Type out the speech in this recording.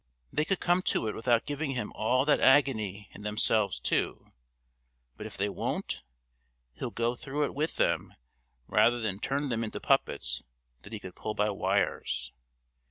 They could come to it without giving Him all that agony and themselves too; but if they won't, He'll go through it with them rather than turn them into puppets that He could pull by wires.